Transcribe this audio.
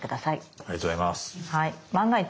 ありがとうございます。